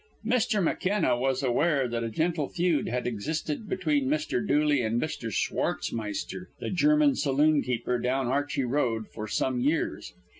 Mr. McKenna was aware that a gentle feud had existed between Mr. Dooley and Mr. Schwartzmeister, the German saloon keeper down Archey Road, for some years.